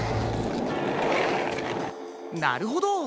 なるほど。